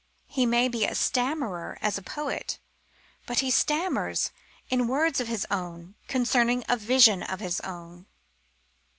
He may be a stammerer as a poet, but he stammers in words of his own concerning a vision of his own.